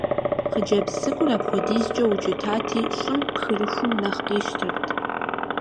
Хъыджэбз цӀыкӀур апхуэдизкӀэ укӀытати, щӀым пхырыхум нэхъ къищтэрт.